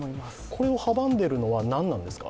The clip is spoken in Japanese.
これを阻んでいるのは何なんですか？